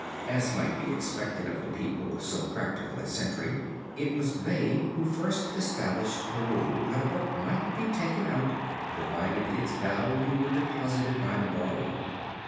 As might be expected of the people of so practical a century, it was they who first established the rule that a book might be taken out provided its value were deposited by the borrower.